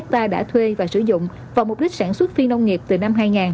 các doanh nghiệp đã thuê và sử dụng vào mục đích sản xuất phi nông nghiệp từ năm hai nghìn